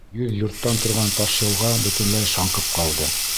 Йөҙ йорттан торған Ташлыйылға бөтөнләй шаңҡып ҡалды.